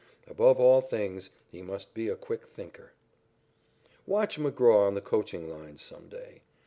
Above all things, he must be a quick thinker. Watch McGraw on the coaching lines some day.